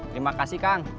terima kasih kang